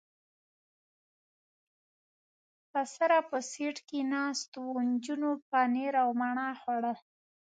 له سره په سېټ کې ناست و، نجونو پنیر او مڼه خوړل.